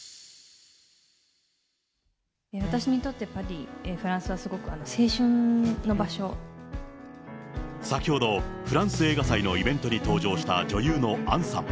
私にとってパリ、先ほど、フランス映画祭のイベントに登場した女優の杏さん。